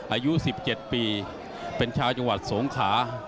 อายุ๑๗ปีเป็นชาวจังหวัดสงขา